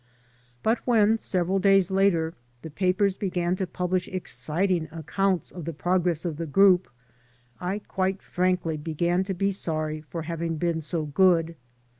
But when, several days later, the papers began to publish exciting accounts of the progress of the group I quite frankly began to be sorry for having been so good.